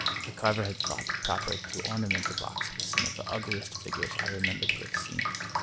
The carver had thought proper to ornament the box with some of the ugliest figures I remember to have seen.